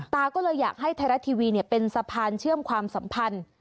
ตาก็เลยอยากให้ไทยรัฐทีวีเป็นสะพานเชื่อมความสัมพันธ์